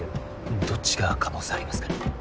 うんどっちが可能性ありますかね？